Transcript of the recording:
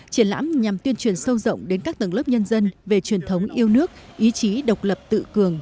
triển lãm nhằm tuyên truyền sâu rộng đến các tầng lớp nhân dân về truyền thống yêu nước ý chí độc lập tự cường